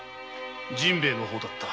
陣兵衛の方だった。